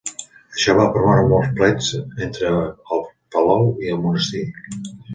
Això va promoure molts plets entre els Palou i el monestir.